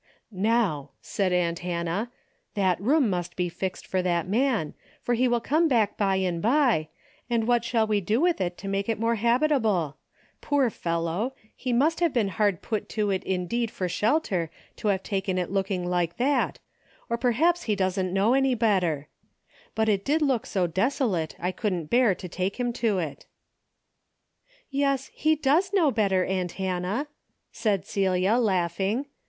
"How," said aunt Hannah, "that room must be fixed for that man, for he will come back by and by, and what shall we do with it to make it more habitable ? Poor fellow ! He must have been hard put to it indeed for shelter to have taken it looking like that, or perhaps he doesn't know any better. But it 160 A DAILY BATE. did look so desolate I couldn't bear to take him to it." "Yes, he does know better, aunt Hannah," said Celia, laughing.